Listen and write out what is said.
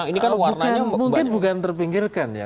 mungkin bukan terpinggirkan ya